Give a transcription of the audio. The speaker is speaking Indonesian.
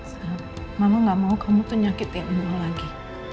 sa mama gak mau kamu tuh nyakitin nino lagi